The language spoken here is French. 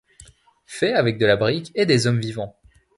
Fait avec de la brique et des hommes vivants